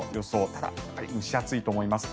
ただ、やっぱり蒸し暑いと思います。